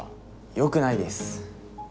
よくないです。